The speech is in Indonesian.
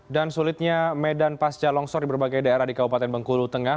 dan sulitnya medan pasca longsor di berbagai daerah di kabupaten bengkulu tengah